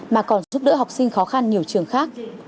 mà còn giúp đỡ học sinh khó khăn nhiều trường khác